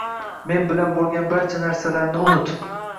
- Men bilan bo'lgan barcha narsalarni unut!